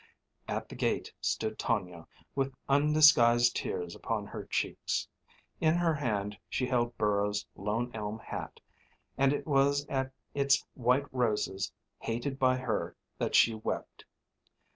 At the gate stood Tonia, with undisguised tears upon her cheeks. In her hand she held Burrow's Lone Elm hat, and it was at its white roses, hated by her, that she wept.